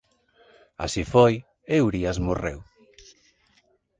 Así foi e Urías morreu.